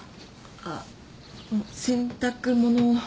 あっ洗濯物